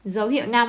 dấu hiệu năm